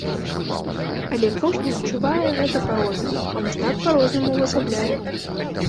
Але кожны адчувае гэта па-рознаму, а мастак па-рознаму ўвасабляе.